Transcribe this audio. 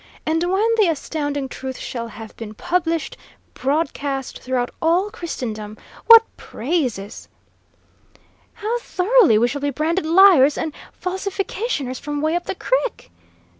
"And when the astounding truth shall have been published, broadcast, throughout all Christendom, what praises " "How thoroughly we shall be branded liars, and falsificationers from 'way up the crick'!"